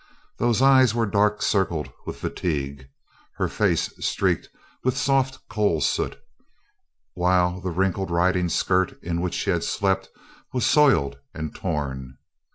Those eyes were dark circled with fatigue, her face streaked with soft coal soot, while the wrinkled riding skirt in which she had slept was soiled and torn.